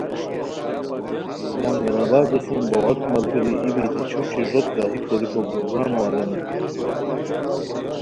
لنگر آبادو سُم بو غاک ملگیری ای بیتی چھوچی ݱوت راہی کوریکو پروگرامو ارینی